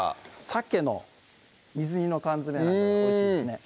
サケの水煮の缶詰なんかもおいしいですね